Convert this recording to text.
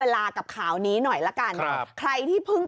ลาหลากับข่าวนี้หน่อยล่ะกันค่ะใครที่เพิ่ง